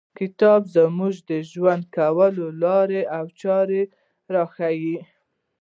کتاب موږ ته د ژوند کولو لاري او چاري راښیي.